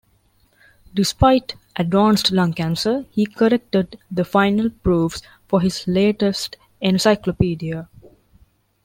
Despite advanced lung cancer, he corrected the final proofs for his latest encyclopaedia.